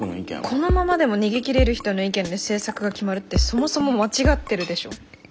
このままでも逃げ切れる人の意見で政策が決まるってそもそも間違ってるでしょ。